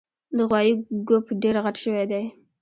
د غوایي ګوپ ډېر غټ شوی دی